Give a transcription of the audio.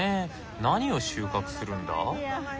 何を収穫するんだ？